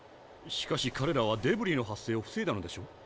しかし彼らはデブリの発生を防いだのでしょう？